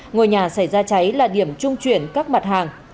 ngôi nhà xảy ra cháy là điểm trung chuyển các mặt hàng